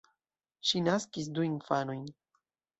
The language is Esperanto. Ŝi naskis du infanojn.